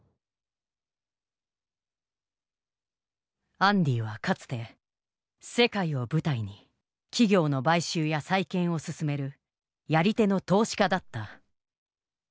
アンディはかつて世界を舞台に企業の買収や再建を進めるやり手の投資家だった。